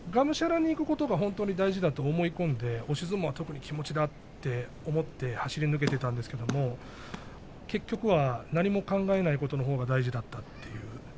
がむしゃらにいくことが大事だと思い込んで押し相撲は特に気持ちだと思って走り抜けていたんですけど結局は何も考えないことのほうが大事だったという。